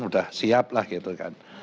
sudah siap lah gitu kan